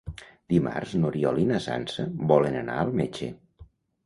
Dimarts n'Oriol i na Sança volen anar al metge.